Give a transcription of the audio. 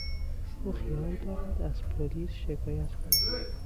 او خیال دارد از پلیس شکایت کند.